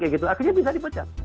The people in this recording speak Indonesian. akhirnya bisa di pecah